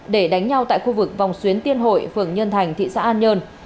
để đánh nhau tại khu vực vòng xuyến tiên hội phường nhân thành thị xã an nhơn